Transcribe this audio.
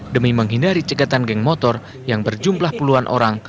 demi menghindari cekatan geng motor yang berjumlah puluhan orang